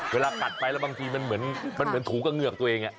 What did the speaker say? เวลากัดไปแล้วบางทีมันเหมือนถูกระเหงือกตัวเอง